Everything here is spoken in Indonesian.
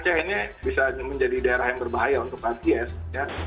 tidak ac ini bisa menjadi daerah yang berbahaya untuk akciensi ya